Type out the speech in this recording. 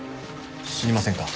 知りませんか？